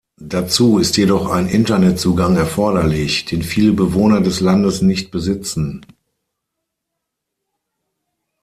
Dazu ist jedoch ein Internetzugang erforderlich, den viele Bewohner des Landes nicht besitzen.